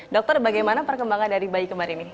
dokter bagaimana perkembangan dari bayi kembar ini